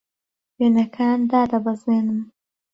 وێنەکان دادەبەزێنم.